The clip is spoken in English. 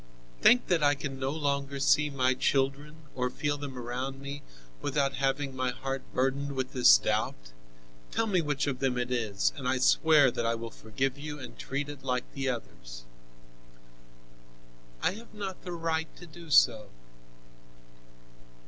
"Think that I can no longer see my children or feel them round me, without having my heart burdened with this doubt. Tell me which of them it is, and I swear that I will forgive you and treat it like the others." "I have not the right to do so."